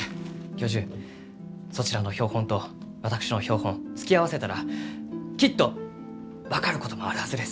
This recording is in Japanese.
教授そちらの標本と私の標本突き合わせたらきっと分かることもあるはずです。